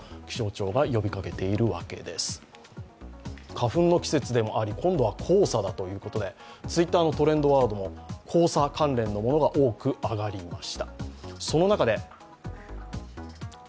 花粉の季節でもあり今度は黄砂だということでＴｗｉｔｔｅｒのトレンドワードも黄砂絡みが多く出ています。